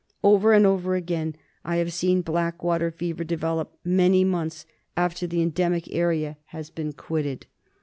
Over and over again I have seen Black water Fever develop many months after the; endemic area had been quitted.